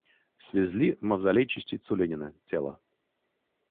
Свезли в мавзолей частицу Ленина — тело.